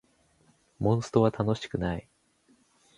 モンストは楽しくない